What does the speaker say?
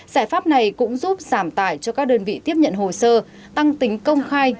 giải pháp này cũng giúp giảm tải cho các đơn vị tiếp nhận hồ sơ tăng tính công khai